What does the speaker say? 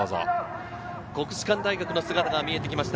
国士舘大学の姿が見えてきました。